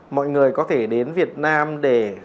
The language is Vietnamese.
mọi người có thể đến việt nam để